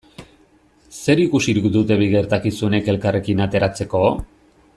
Zer ikusirik dute bi gertakizunek elkarrekin ateratzeko?